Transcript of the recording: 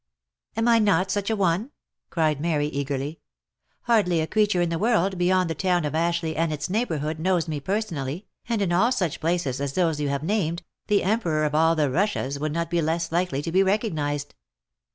" Am I not such a one ?" cried Mary, eagerly. " Hardly a creature in the world, beyond the town of Ashleigh and its neighbourhood, knows me personally, and in all such places as those you have named, the Emperor of all the Russias would not be less likely to be recog nised."